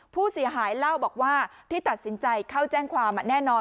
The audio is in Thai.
ผู้เสียหายเล่าบอกว่าที่ตัดสินใจเข้าแจ้งความแน่นอน